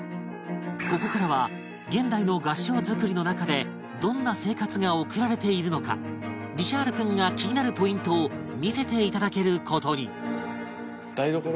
ここからは現代の合掌造りの中でどんな生活が送られているのかリシャール君が気になるポイントを見せていただける事に